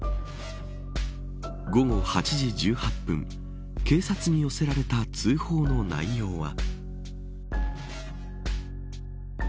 午後８時１８分警察に寄せられた通報の内容は。